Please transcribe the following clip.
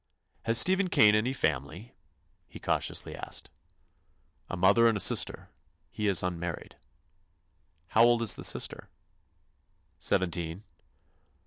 "Has Stephen Kane any family?" he cautiously asked. "A mother and sister. He is unmarried." "How old is the sister?" "Seventeen."